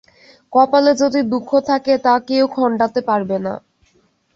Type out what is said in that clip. কপালে যদি দুঃখ থাকে তো কেউ খণ্ডাতে পারবে না।